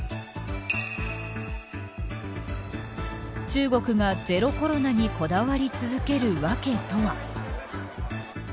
中国がゼロコロナにこだわり続ける訳とは。